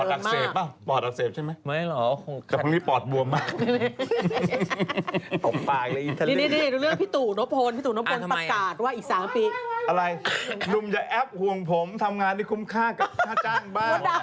หนุ่มอย่าแอปห่วงผมทำงานที่คุ้มค่ากับค่าจ้างบ้าง